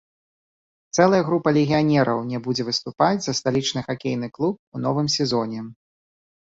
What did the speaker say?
Цэлая група легіянераў не будзе выступаць за сталічны хакейны клуб у новым сезоне.